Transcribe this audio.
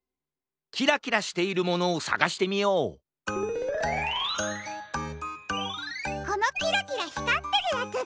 キラキラしているものをさがしてみようこのキラキラひかってるヤツだ！